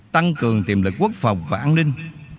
tăng cường tiềm lực quốc phòng và an ninh